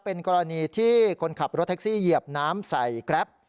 เป็นกรณีที่คนขับรถแท็กซี่เหยียบน้ำใส่แกรป